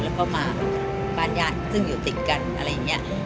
แล้วก็มาบ้านญาติซึ่งอยู่ติดกันอะไรอย่างนี้